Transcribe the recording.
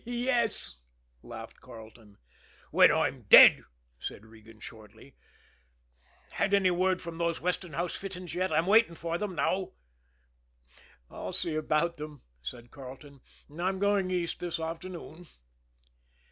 "Yes," laughed Carleton. "When I'm dead," said Regan shortly. "Had any word from those Westinghouse fittings yet? I'm waiting for them now." "I'll see about them," said Carleton. "I'm going East this afternoon."